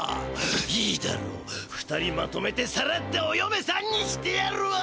いいだろう２人まとめてさらっておよめさんにしてやるわ！